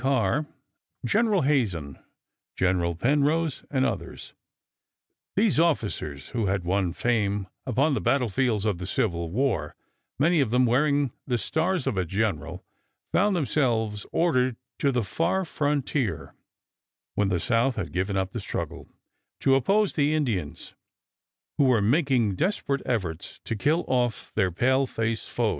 Carr, General Hazen, General Penrose, and others. These officers, who had won fame upon the battle fields of the Civil War, many of them wearing the stars of a general, found themselves ordered to the far frontier when the South had given up the struggle to oppose the Indians, who were making desperate efforts to kill off their pale face foes.